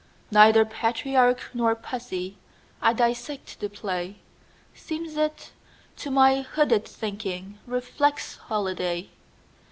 Neither patriarch nor pussy,I dissect the play; Seems it, to my hooded thinking, Reflex holiday.